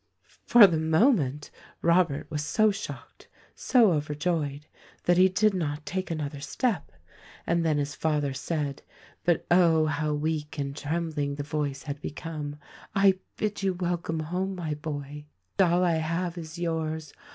For the moment Robert was so shocked, so overjoyed, that he did not take another step, and then his father said — but ob, how weak and trembling the voice had become — *'I bid you welcome home, my boy. All that I have is yours.